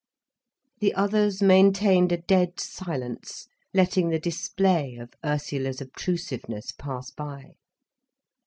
The others maintained a dead silence, letting the display of Ursula's obtrusiveness pass by.